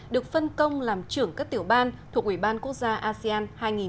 được phân công làm trưởng các tiểu ban thuộc ủy ban quốc gia asean hai nghìn hai mươi